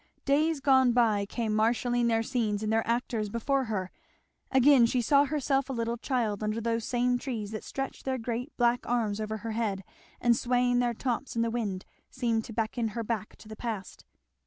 Days gone by came marshalling their scenes and their actors before her; again she saw herself a little child under those same trees that stretched their great black arms over her head and swaying their tops in the wind seemed to beckon her back to the past.